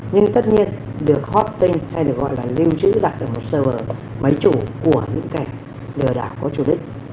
nhưng tất nhiên được hóp tinh hay được gọi là lưu trữ đặt ở một server máy chủ của những kẻ lừa đảo có chủ đích